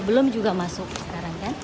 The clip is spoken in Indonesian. belum juga masuk sekarang kan